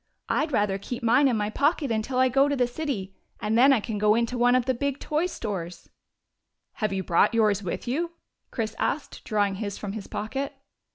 " I 'd rather keep mine in my pocket until I go to the city, and then I can go into one of the big toy stores —"" Have you brought yours with you ?" Chris asked, drawing his from his pocket.